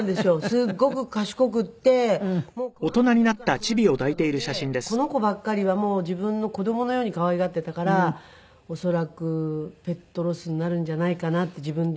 すっごく賢くてもうこーんな時から育てていたのでこの子ばっかりはもう自分の子供のように可愛がっていたから恐らくペットロスになるんじゃないかなって自分で。